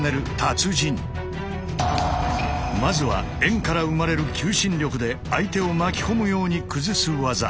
まずは円から生まれる求心力で相手を巻き込むように崩す技。